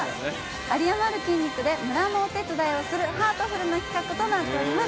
有り余る筋肉で村のお手伝いをするハートフルな企画となっております。